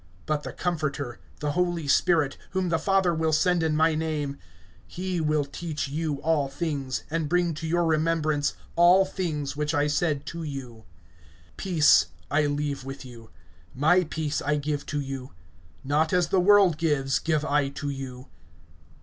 (26)But the Comforter, the Holy Spirit, whom the Father will send in my name, he will teach you all things, and bring to your remembrance all things which I said to you. (27)Peace I leave with you, my peace I give to you; not as the world gives, give I to you.